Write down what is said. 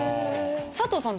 佐藤さん